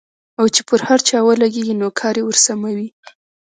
او چې پر هر چا ولګېږي نو کار يې ورسموي.